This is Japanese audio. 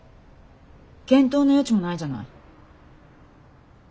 検討の余地もないじゃない。